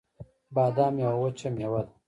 بادام یوه وچه مېوه ده